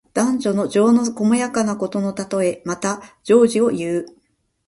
男女の情の細やかなことのたとえ。また、情事をいう。